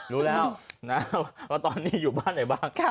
รู้แล้วนะว่าตอนนี้อยู่บ้านไหนบ้าง